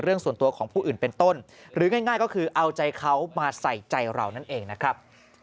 เรื่องส่วนตัวของผู้อื่นเป็นต้นหรือง่ายก็คือเอาใจเขามาใส่ใจเรานั่นเองนะครับ